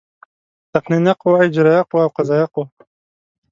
تقنینیه قوه، اجرائیه قوه او قضایه قوه.